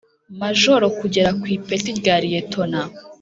Majoro kugera ku ipeti rya Liyetona